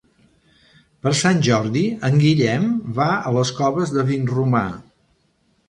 Per Sant Jordi en Guillem va a les Coves de Vinromà.